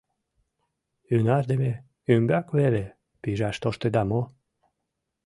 — Ӱнардыме ӱмбак веле пижаш тоштыда мо?